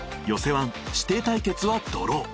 ワン師弟対決はドロー。